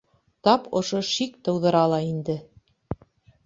Тап ошо шик тыуҙыра ла инде.